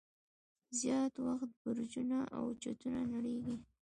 زیات وخت برجونه او چتونه نړیږي.